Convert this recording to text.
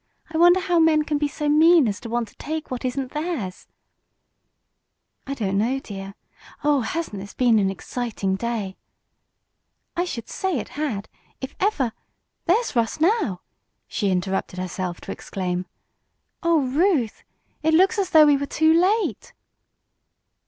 "I wonder how men can be so mean as to want to take what isn't theirs?" "I don't know, dear. Oh, hasn't this been an exciting day?" "I should say it had. If ever there's Russ now!" she interrupted herself to exclaim. "Oh, Ruth. It looks as though we were too late!"